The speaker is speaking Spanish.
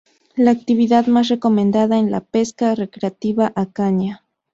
La actividad más recomendada es la pesca recreativa a caña.